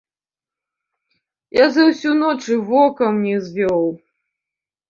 Я за ўсю ноч і вокам не звёў.